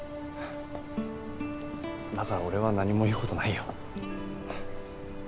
だから俺は何も言う事ないよ。